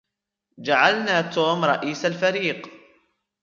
جعلنا توم رئيس الفريق